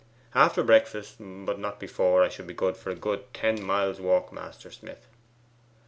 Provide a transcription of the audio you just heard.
After breakfast, but not before, I shall be good for a ten miles' walk, Master Smith.